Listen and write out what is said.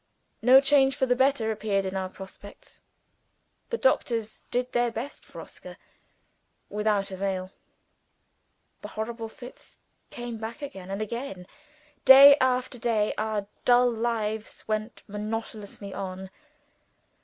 No change for the better appeared in our prospects. The doctors did their best for Oscar without avail. The horrible fits came back, again and again. Day after day, our dull lives went monotonously on.